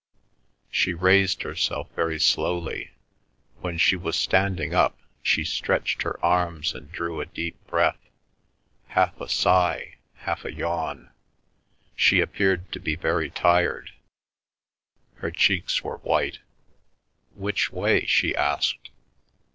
She raised herself very slowly. When she was standing up she stretched her arms and drew a deep breath, half a sigh, half a yawn. She appeared to be very tired. Her cheeks were white. "Which way?" she asked.